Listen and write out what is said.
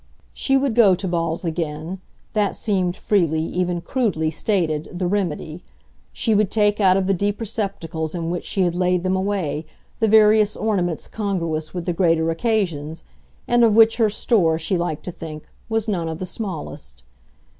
She would go to balls again that seemed, freely, even crudely, stated, the remedy; she would take out of the deep receptacles in which she had laid them away the various ornaments congruous with the greater occasions, and of which her store, she liked to think, was none of the smallest.